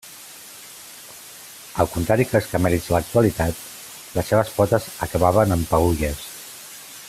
Al contrari que els camèlids de l'actualitat, les seves potes acabaven en peülles.